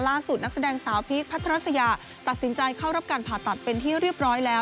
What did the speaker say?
นักแสดงสาวพีคพัทรสยาตัดสินใจเข้ารับการผ่าตัดเป็นที่เรียบร้อยแล้ว